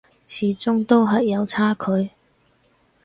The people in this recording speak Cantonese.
始終都係有差距